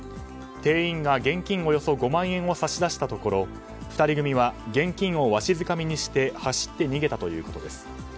店員が現金およそ５万円を差し出したところ２人組は現金をわしづかみにして走って逃げたということです。